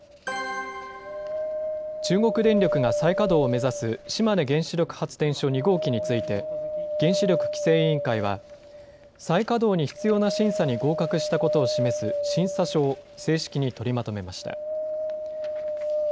中国電力が再稼働を目指す島根原子力発電所２号機について、原子力規制委員会は、再稼働に必要な審査に合格したことを示す審査書を、正式に取りまとめました。